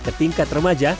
ke tingkat remaja